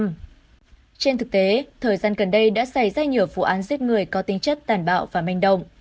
trên thực tế thời gian gần đây đã xảy ra nhiều vụ án giết người có tinh chất tàn bạo và manh động